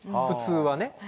普通はね。